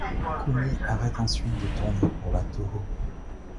Kumi arrête ensuite de tourner pour la Toho.